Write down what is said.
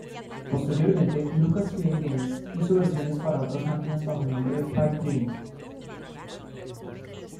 Posteriormente LucasFilm Games hizo versiones para otras máquinas bajo el nombre de Pipe Dream.